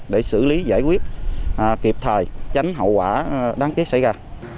để xử lý giải quyết kịp thời tránh hậu quả đáng tiếc xảy ra